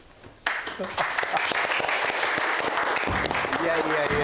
いやいやいや。